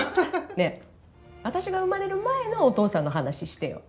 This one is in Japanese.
ねえ私が生まれる前のお父さんの話してよ。